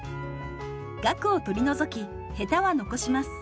ガクを取り除きヘタは残します。